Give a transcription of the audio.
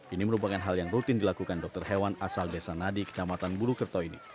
ini merupakan hal yang rutin dilakukan dokter hewan asal besanadi kecamatan burukerto ini